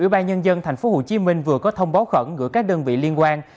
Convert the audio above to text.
ủy ban nhân dân thành phố hồ chí minh vừa có thông báo khẩn gửi các đơn vị liên quan